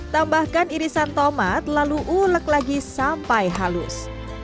tambahkan irisan tomat lalu ulek lagi sampai halus